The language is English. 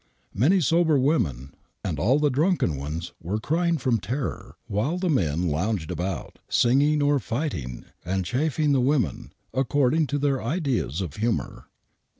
Many sober women, and all the drunken ones, were crying from terror, while the men lounged about, singing or fighting and chaflSng the women, according to their ideas of humor.